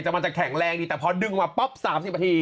มันจะแข็งแรงดีแต่พอดึงออกมา๓๐ประที